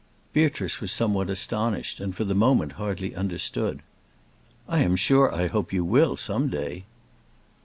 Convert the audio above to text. Beatrice was somewhat astonished, and for the moment hardly understood. "I am sure I hope you will, some day."